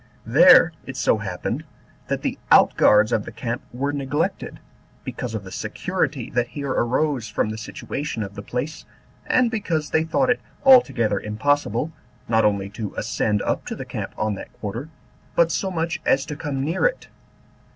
There it so happened, that the out guards of the camp were neglected, because of the security that here arose from the situation of the place, and because they thought it altogether impossible, not only to ascend up to the camp on that quarter, but so much as to come near it.